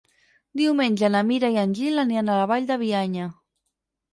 Diumenge na Mira i en Gil aniran a la Vall de Bianya.